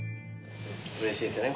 うれしいですよね